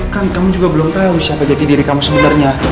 kan kamu juga belum tahu siapa jadi diri kamu sebenarnya